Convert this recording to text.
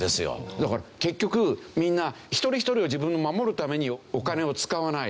だから結局みんな一人一人は自分を守るためにお金を使わない。